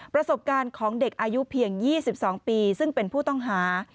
ประสบการณ์ของเด็กอายุเพียง๒๒ปีซึ่งเป็นผู้ต้องหา